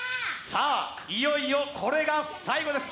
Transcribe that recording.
さあ、いよいよこれが最後です。